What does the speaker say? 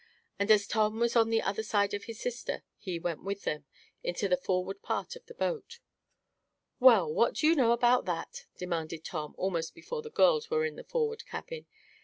And as Tom was on the other side of his sister, he went with them into the forward part of the boat. "Well, what do you know about that?" demanded Tom, almost before the girls were in the forward cabin.